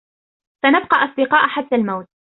سنبقى أصدقاء حتى الموت